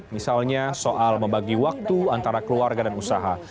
misalnya soal membagi waktu antara keluarga dan usaha